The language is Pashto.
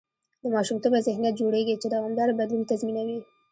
د ماشومتوبه ذهنیت جوړېږي، چې دوامداره بدلون تضمینوي.